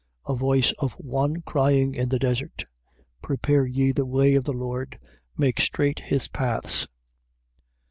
1:3. A voice of one crying in the desert: Prepare ye the way of the Lord; make straight his paths.